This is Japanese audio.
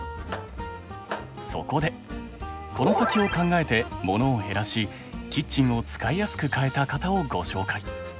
そこでコノサキを考えてモノを減らしキッチンを使いやすく変えた方をご紹介。